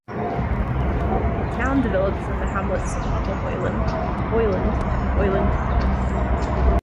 The town developed from the hamlets of Upper Hoyland, Hoyland and Hoyland Common.